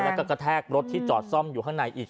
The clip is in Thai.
แล้วก็กระแทกรถที่จอดซ่อมอยู่ข้างในอีก